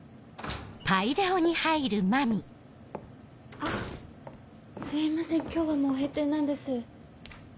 あすいません今日はもう閉店なんです。